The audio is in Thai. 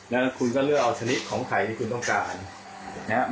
แล้วคุณก็เลือกเอาชนิดของไข่ที่คุณต้องการนะครับ